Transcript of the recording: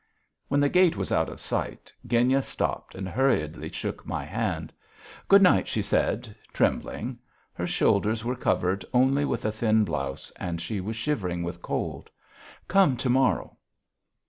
When the gate was out of sight Genya stopped and hurriedly shook my hand. "Good night," she said, trembling; her shoulders were covered only with a thin blouse and she was shivering with cold. "Come to morrow."